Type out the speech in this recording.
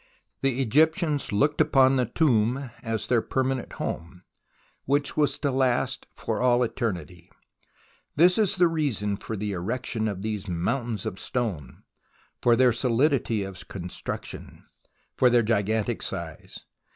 The Egyptians looked upon the tomb as their permanent home, which was to last for all eternity. This is the reason for the erection of these mountains of stone, for their solidity of construction, for their gigantic size.